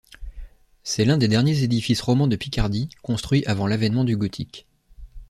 C’est l’un des derniers édifices romans de Picardie construit avant l’avènement du gothique.